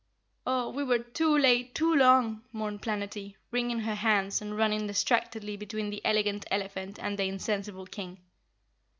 "Oh, we were too late, too long!" mourned Planetty, wringing her hands and running distractedly between the Elegant Elephant and the insensible King.